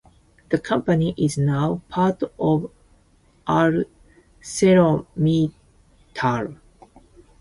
The company is now part of ArcelorMittal.